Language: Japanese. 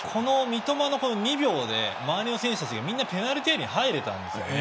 三笘の２秒で周りの選手たちがみんなペナルティーエリアに入れたんですよね。